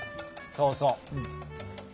そうそう。